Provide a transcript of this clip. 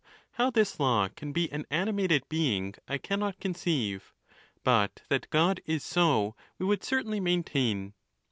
How this law can be an animated being I can not conceive ; but that God is so we would certainly main tain.